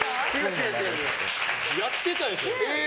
やってたでしょ